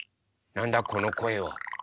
なんだこのこえは。